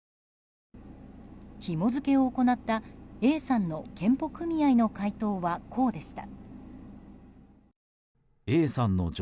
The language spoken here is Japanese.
ひも付けを行ったＡさんの健保組合の回答はこうでした。